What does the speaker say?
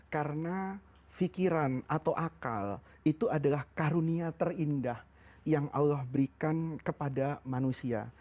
karena pikiran atau akal itu adalah karunia terindah yang allah berikan kepada manusia